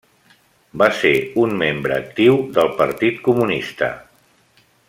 Va ser un membre actiu del Partit Comunista.